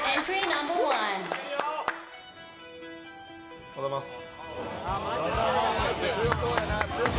おはようございます。